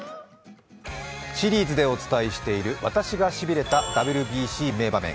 シリーズでお伝えしている私がしびれたＷＢＣ名場面。